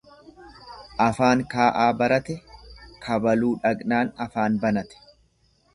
Afaan kaa'aa barate, kabaluu dhaqnaan afaan banate.